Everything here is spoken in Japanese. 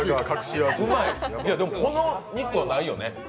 でもこの肉はうまいよね。